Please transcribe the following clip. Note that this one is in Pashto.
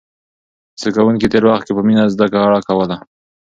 زده کوونکي تېر وخت کې په مینه زده کړه کوله.